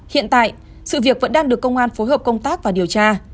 hiện tại sự việc vẫn đang được công an phối hợp công tác và điều tra